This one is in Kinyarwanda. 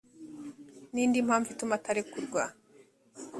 ni indi mpamvu ituma atarekurwa